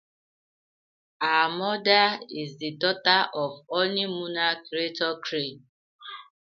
Her mother is the daughter of "The Honeymooners" creator Harry Crane.